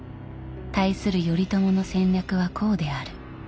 対する頼朝の戦略はこうである。